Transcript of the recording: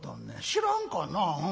知らんかな。